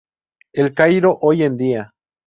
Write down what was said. El Cairo hoy en día.